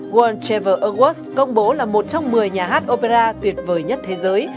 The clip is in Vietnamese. world travel awards công bố là một trong một mươi nhà hát opera tuyệt vời nhất thế giới